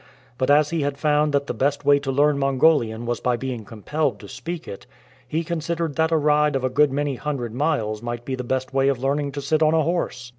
But as he had found that the best way to learn Mongolian was by being compelled to speak it, he considered that a ride of a good many hundred miles might be the best way of learning to sit on a horse.